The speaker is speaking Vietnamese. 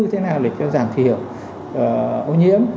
thế nào để giảm thiểu ô nhiễm